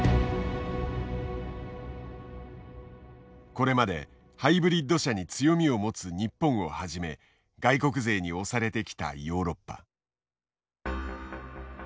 これまでハイブリッド車に強みを持つ日本をはじめ外国勢に押されてきたヨーロッパ。